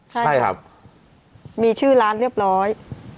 ใช่ไม่ครับมีชื่อร้านเรียบร้อย